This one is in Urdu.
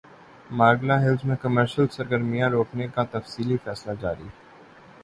مارگلہ ہلز میں کمرشل سرگرمیاں روکنے کا تفصیلی فیصلہ جاری